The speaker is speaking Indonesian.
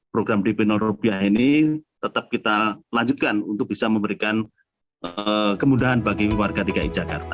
program dp rupiah ini tetap kita lanjutkan untuk bisa memberikan kemudahan bagi warga dki jakarta